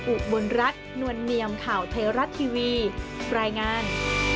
อุบลรัฐนวลเนียมข่าวไทยรัฐทีวีรายงาน